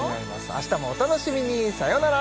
あしたもお楽しみにさよなら